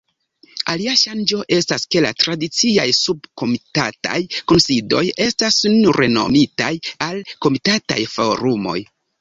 Alia ŝanĝo estas ke la tradiciaj subkomitataj kunsidoj estas nun renomitaj al komitataj forumoj.